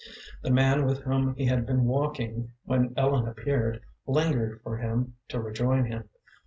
The man with whom he had been walking when Ellen appeared lingered for him to rejoin him.